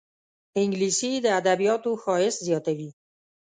انګلیسي د ادبياتو ښایست زیاتوي